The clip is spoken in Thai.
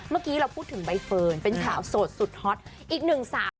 เมื่อกี้เราพูดถึงใบเฟิร์นเป็นข่าวโสดสุดฮอตอีกหนึ่งสาว